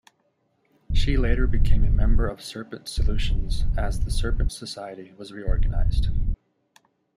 She later became a member of Serpent Solutions as the Serpent Society was reorganized.